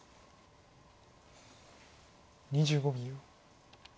２５秒。